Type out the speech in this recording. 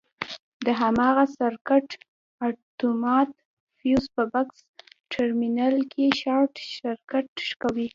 د هماغه سرکټ اتومات فیوز په بکس ټرمینل کې شارټ سرکټ کوي.